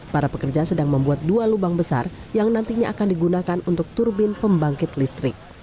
para pekerja sedang membuat dua lubang besar yang nantinya akan digunakan untuk turbin pembangkit listrik